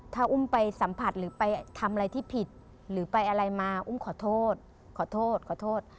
ถ้าอุ้มไปสัมผัสหรือไปทำอะไรที่ผิดหรือไปอะไรมาอุ้มขอโทษขอโทษขอโทษขอโทษ